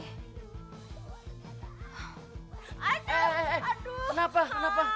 aduh aduh kenapa kenapa